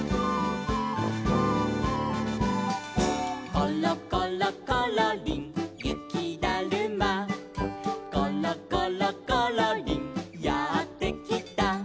「ころころころりんゆきだるま」「ころころころりんやってきた」